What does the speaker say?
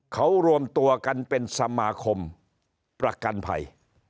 เขารวมตัวกันเป็นสมาคมประกันภัย